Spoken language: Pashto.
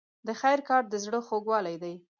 د خیر کار د زړه خوږوالی دی.